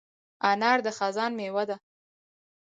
انار د خزان مېوه ده.